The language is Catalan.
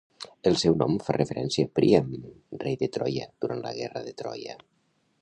El seu nom fa referència a Príam, rei de Troia durant la Guerra de Troia.